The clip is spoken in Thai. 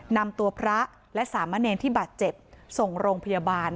นำตัวพระและสามะเนรที่บาดเจ็บส่งโรงพยาบาล